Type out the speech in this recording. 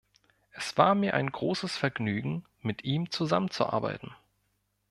Es war mir ein großes Vergnügen, mit ihm zusammenzuarbeiten.